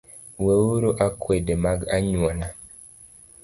Weuru akwede mag anyuola